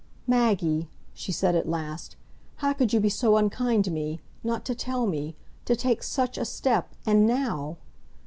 "Maggie," she said at last, "how could you be so unkind to me—not to tell me—to take such a step—and now!"